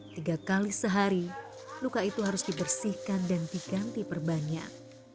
tiga kali sehari luka itu harus dibersihkan dan diganti perbanyak